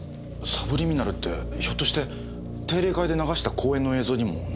サブリミナルってひょっとして定例会で流した講演の映像にも何か入ってた？